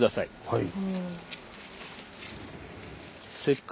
はい。